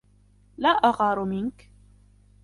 لا أغار منك